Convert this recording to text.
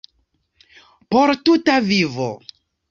Por tuta vivo.